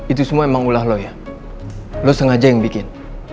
itu semua emang ulah lo ya lo sengaja yang bikin